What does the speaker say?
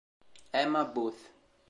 Emma Booth